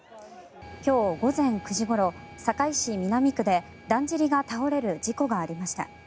今日午前９時ごろ堺市南区でだんじりが倒れる事故がありました。